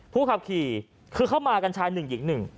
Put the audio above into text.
ผู้ขับขี่คือเข้ามากันชายหนึ่งหญิงหนึ่ง